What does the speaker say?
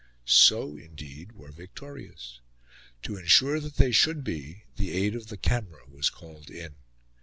So, indeed, were Victoria's. To ensure that they should be the aid of the camera was called in.